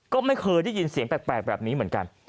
ก็ไม่เคยได้ยินเสียงแปลกแบบนี้เหมือนกัน